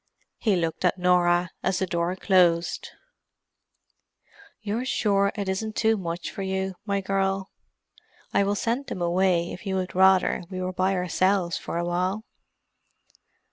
He looked at Norah as the door closed. "You're sure it isn't too much for you, my girl? I will send them away if you would rather we were by ourselves for a while."